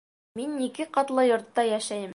Мин ике ҡатлы йортта йәшәйем